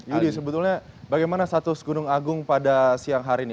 yudi sebetulnya bagaimana status gunung agung pada siang hari ini